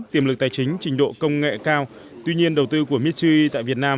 tiềm lực tài chính trình độ công nghệ cao tuy nhiên đầu tư của mitchi tại việt nam